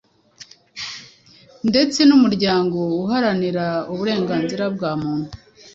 ndetse n'umuryango uharanira uburenganzira bwa muntu